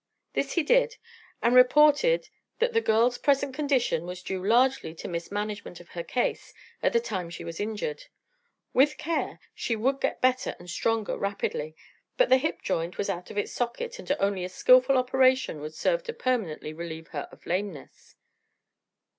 This he did, and reported that the girl's present condition was due largely to mismanagement of her case at the time she was injured. With care she would get better and stronger rapidly, but the hip joint was out of its socket and only a skillful operation would serve to permanently relieve her of lameness.